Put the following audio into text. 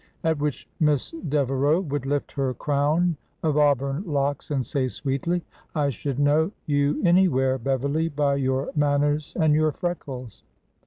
" At which Miss Devereau would lift her crown of au burn locks and say sweetly : I should know you anywhere, Beverly, by your man ners and your freckles.